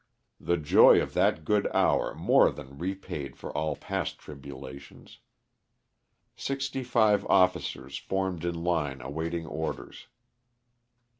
The joy of that good hour more than repaid for all past tribulations. Sixty five officers formed in line awaiting orders.